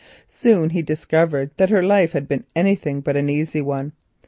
Soon Harold discovered that her life had been anything but an easy one.